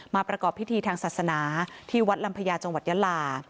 ประกอบพิธีทางศาสนาที่วัดลำพญาจังหวัดยาลา